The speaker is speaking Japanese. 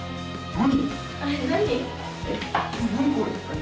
何？